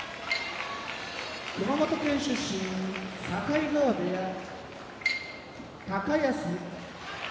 熊本県出身境川部屋高安